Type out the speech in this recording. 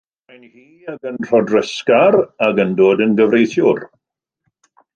Mae'n hy ac yn rhodresgar ac yn dod yn gyfreithiwr.